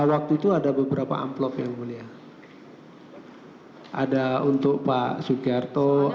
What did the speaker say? waktu itu ada beberapa amplop yang mulia ada untuk pak sukyarto ada untuk